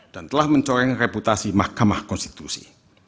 dan telah mencoreng reputasi mahkamah konstitusi